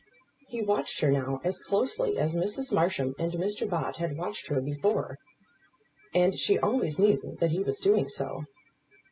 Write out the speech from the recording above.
He watched her now as closely as Mrs. Marsham and Mr. Bott had watched her before; and she always knew that he was doing so.